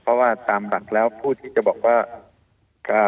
เพราะว่าตามหลักแล้วผู้ที่จะบอกว่าอ่า